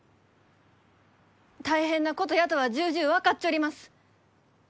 大変なことやとは重々分かっちょります。